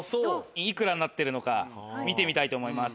幾らになってるのか見てみたいと思います。